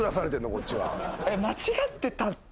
こっちは。